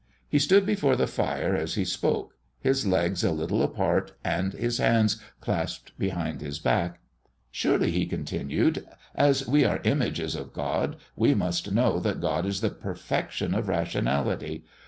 He stood before the fire as he spoke, his legs a little apart and his hands clasped behind his back. "Surely," he continued, "as we are images of God we must know that God is the perfection of rationality.